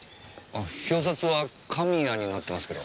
表札は「神谷」になってますけど。